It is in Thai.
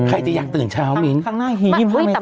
ใครจะอยากตื่นเช้ามีนข้างหน้าขี้ยิ่มข้างในสักมันไม่คือ